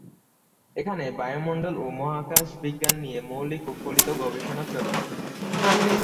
এখানে বায়ুমণ্ডল ও মহাকাশ বিজ্ঞান নিয়ে মৌলিক ও ফলিত গবেষণা চলে।